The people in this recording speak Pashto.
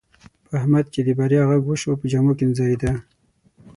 په احمد چې د بریا غږ وشو، په جامو کې نه ځایېدا.